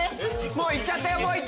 もう行っちゃったよ！